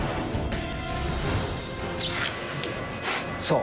そう。